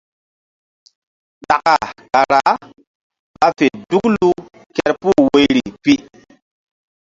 Ɗaka kara ɓa fe duklu kerpuh woyri pi.